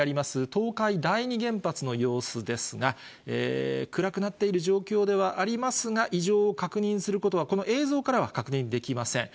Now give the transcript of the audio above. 東海第二原発の様子ですが、暗くなっている状況ではありますが、異常を確認することは、この映像からは確認できません。